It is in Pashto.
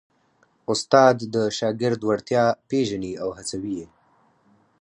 استاد د شاګرد وړتیا پېژني او هڅوي یې.